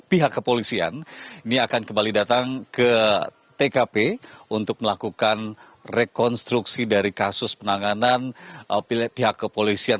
pihak kepolisian ini akan kembali datang ke tkp untuk melakukan rekonstruksi dari kasus penanganan pihak kepolisian